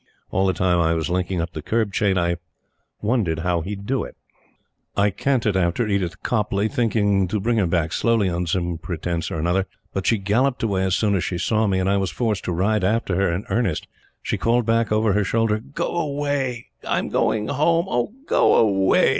All the time I was linking up the curb chain I wondered how he would do it. I cantered after Edith Copleigh, thinking to bring her back slowly on some pretence or another. But she galloped away as soon as she saw me, and I was forced to ride after her in earnest. She called back over her shoulder "Go away! I'm going home. Oh, go away!"